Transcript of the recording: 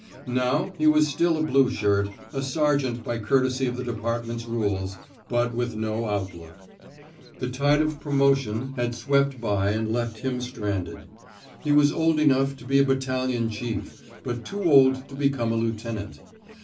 Now, he was still a blue shirt, a sergeant by courtesy of the department's rules, but with no outlook. The tide of promotion had 179 i THE SMOKE EATERS swept by and left him stranded. He was old enough to be a battalion chief, but too old to become a lieutenant.